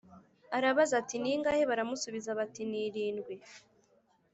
arabaza ati ningahe Baramusubiza bati Ni irindwi